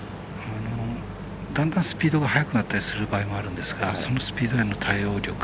やっぱり、だんだんスピードが速くなったりする場合もありますがそのスピードへの対応力。